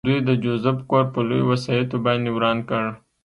دوی د جوزف کور په لویو وسایطو باندې وران کړ